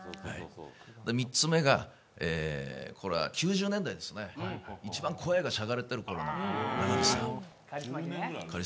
３つ目が、９０年代ですね、一番声がしゃがれている頃の長渕さん